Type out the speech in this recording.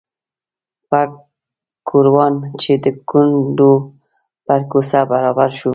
پک ګوروان چې د کونډو پر کوڅه برابر شو.